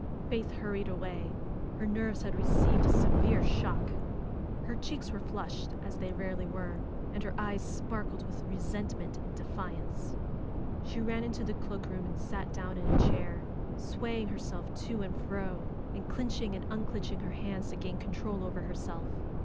Faith hurried away. Her nerves had received a se vere shock. Her cheeks were flushed, as they rarely were, and her eyes sparkled with resentment and de fiance. She ran into the cloak room and sat down in a chair, swaying herself to and fro and clinching and FAITH 233 unclinching her hands to gain control over herself.